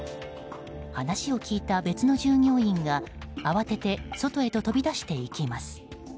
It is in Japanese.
話を聞いた別の従業員が慌てて外へと飛び出していきます。